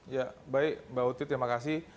ya baik mbak uti terima kasih